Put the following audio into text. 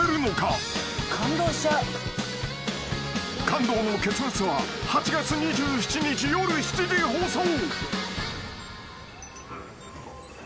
［感動の結末は８月２７日夜７時放送］